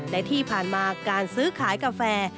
และที่ผ่านมาการซื้อขายกาแฟ